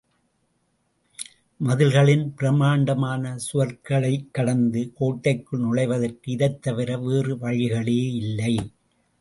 மதில்களின் பிரம்மாண்டமான சுவர்களைக் கடந்து கோட்டைக்குள் நுழைவதற்கு இதைத் தவிர வேறு வழிகளே இல்லை.